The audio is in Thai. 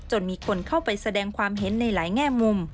มีคนเข้าไปแสดงความเห็นในหลายแง่มุม